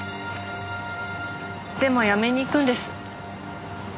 でも辞めに行くんです。